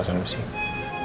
ada yang mencilih prophet